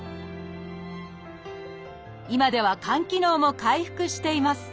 今では肝機能も回復しています